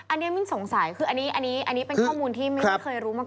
อันนี้มิ้นสงสัยคืออันนี้เป็นข้อมูลที่ไม่เคยรู้มาก่อน